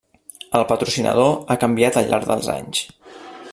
El patrocinador ha canviat al llarg dels anys.